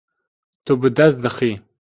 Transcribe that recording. Tu bi dest dixî.